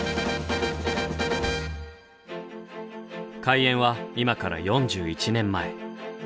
開園は今から４１年前。